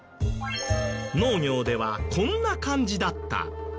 農業ではこんな感じだった。